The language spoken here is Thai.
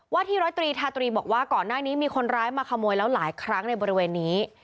ที่ร้อยตรีทาตรีบอกว่าก่อนหน้านี้มีคนร้ายมาขโมยแล้วหลายครั้งในบริเวณนี้